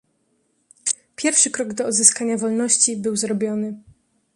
"Pierwszy krok do odzyskania wolności był zrobiony."